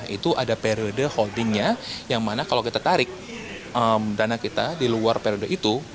itu ada periode holdingnya yang mana kalau kita tarik dana kita di luar periode itu